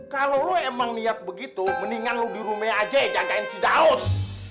kalo lo emang niat begitu mendingan lo dirumah aja ya jagain si daud